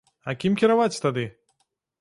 А кім кіраваць тады?